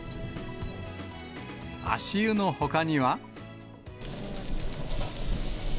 足湯のほかには。